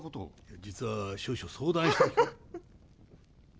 実は少々相談したき。